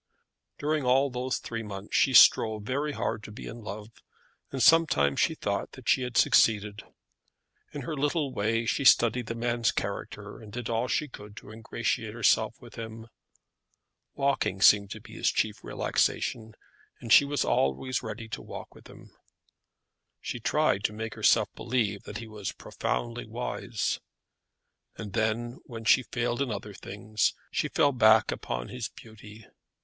During all those three months she strove very hard to be in love, and sometimes she thought that she had succeeded. In her little way she studied the man's character, and did all she could to ingratiate herself with him. Walking seemed to be his chief relaxation, and she was always ready to walk with him. She tried to make herself believe that he was profoundly wise. And then, when she failed in other things, she fell back upon his beauty.